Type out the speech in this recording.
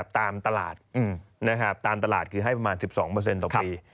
ตามตลาดตามตลาดคือให้ประมาณ๑๒ต่อปี